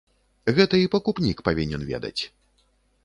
Гэта і пакупнік павінен ведаць.